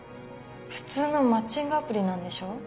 普通のマッチングアプリなんでしょ？